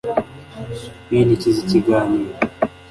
Binikiza ikiganiro